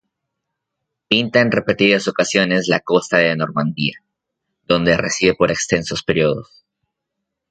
Pinta en repetidas ocasiones la costa de Normandía, donde reside por extensos periodos.